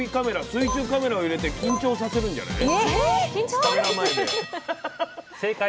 水中カメラを入れて緊張させるんじゃない？